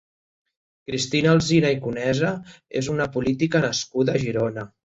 Cristina Alsina i Conesa és una política nascuda a Girona.